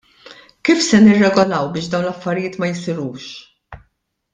Kif se nirregolaw biex dawn l-affarijiet ma jsirux?